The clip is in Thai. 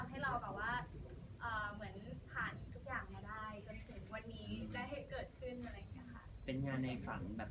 ก็ทำให้เราแบบว่าเหมือนผ่านทุกอย่างได้